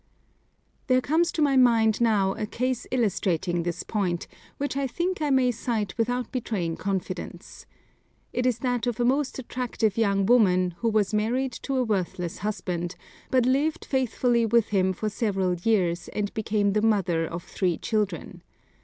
There comes to my mind now a case illustrating this point, which I think I may cite without betraying confidence. It is that of a most attractive young woman who was married to a worthless husband, but lived faithfully with him for several years, and became the mother of three children.